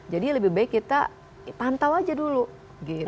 jadi lebih baik kita pantau aja dulu gitu